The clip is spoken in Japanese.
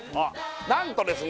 なんとですね